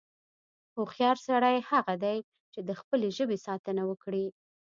هوښیار سړی هغه دی، چې د خپلې ژبې ساتنه وکړي.